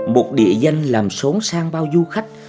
một địa danh làm sốn sang bao du khách